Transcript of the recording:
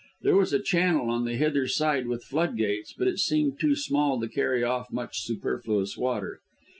There was a channel on the hither side with flood gates, but it seemed too small to carry off much superfluous water.